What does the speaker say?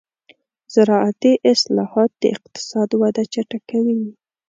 زراعتي اصلاحات د اقتصاد وده چټکوي.